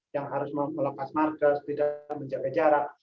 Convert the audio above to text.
yang harus melepas markas tidak menjaga jarak